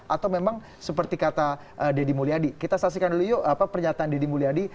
atau memang seperti kata deddy mulyadi kita saksikan dulu yuk apa pernyataan deddy mulyadi